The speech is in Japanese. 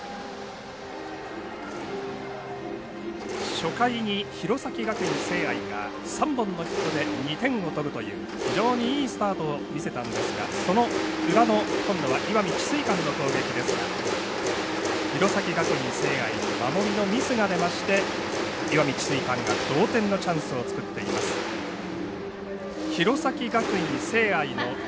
初回に、弘前学院聖愛が３本のヒットで２点を取るという非常にいいスタートを見せたんですがその裏の石見智翠館の攻撃ですが弘前学院聖愛に守りのミスが出まして石見智翠館が同点のチャンスを作っています。